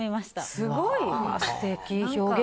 すごい！